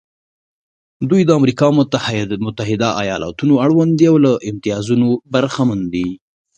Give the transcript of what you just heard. دوی د امریکا متحده ایالتونو اړوند دي او له امتیازونو برخمن دي.